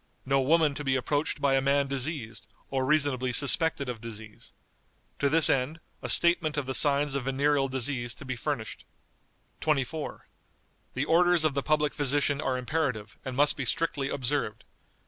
No woman to be approached by a man diseased, or reasonably suspected of disease. To this end, a statement of the signs of venereal disease to be furnished." "24. The orders of the public physician are imperative, and must be strictly observed.